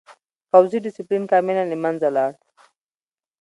پوځي ډسپلین کاملاً له منځه لاړ.